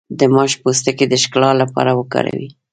د ماش پوستکی د ښکلا لپاره وکاروئ